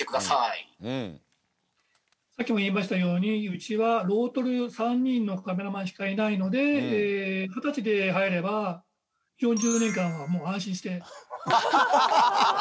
さっきも言いましたようにうちはロートル３人のカメラマンしかないので二十歳で入れば４０年間はもう安心して。